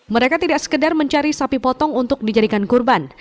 mereka tidak sekedar mencari sapi potong untuk dijadikan kurban